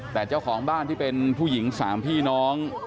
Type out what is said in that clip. แต่เจ้าของบ้านที่เป็นผู้หญิง๓พี่น้อง